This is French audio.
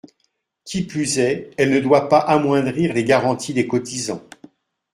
Qui plus est, elle ne doit pas amoindrir les garanties des cotisants.